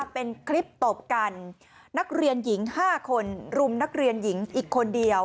เป็นคลิปตบกันนักเรียนหญิง๕คนรุมนักเรียนหญิงอีกคนเดียว